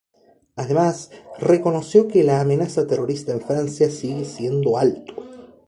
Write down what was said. Además, reconoció que la amenaza terrorista en Francia sigue siendo alto.